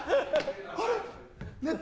あれ？